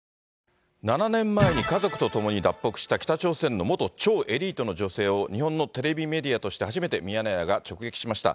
７年前に家族と共に脱北した北朝鮮の元超エリートの女性を、日本のテレビメディアとして初めてミヤネ屋が直撃しました。